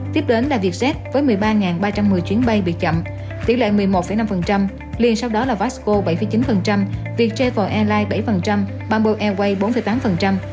tiếp đến là vietjet với một mươi ba ba trăm một mươi chuyến bay bị chậm tỷ lệ một mươi một năm liền sau đó là vasco bảy chín vietjet airlines bảy bamboo airways bốn tám